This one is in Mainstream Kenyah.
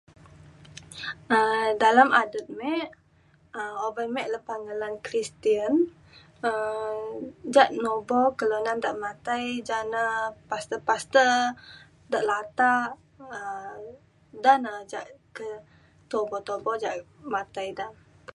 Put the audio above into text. um dalam adet me um uban me lepa ngalan Kristian um ja nubo kelunan dak matai ja na pastor pastor dak latak um da na ca ke tubo tubo ja matai da